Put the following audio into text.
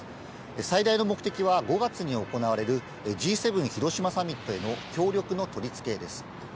最大の目的は５月に行われる、Ｇ７広島サミットへの協力の取り付けです。